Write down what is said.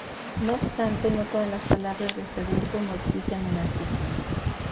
No obstante, no todas las palabras de este grupo modifican el artículo.